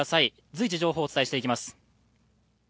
随時情報をお伝えしていきます。